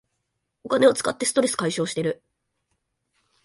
お金を使ってストレス解消してる